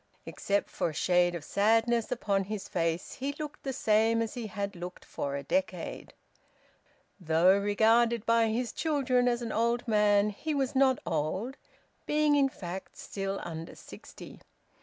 Except for a shade of sadness upon his face, he looked the same as he had looked for a decade. Though regarded by his children as an old man, he was not old, being in fact still under sixty.